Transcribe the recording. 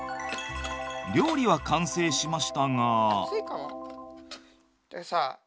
料理は完成しましたが。